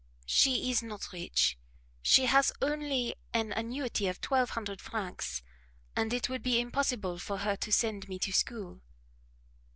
"She is not rich; she has only an annuity of twelve hundred francs, and it would be impossible for her to send me to school."